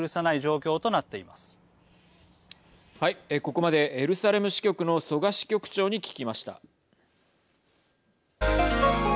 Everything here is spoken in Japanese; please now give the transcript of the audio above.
ここまでエルサレム支局の曽我支局長に聞きました。